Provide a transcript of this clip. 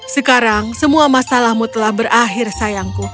sekarang semua masalahmu telah berakhir sayangku